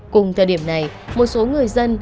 cùng thời điểm này một số người dân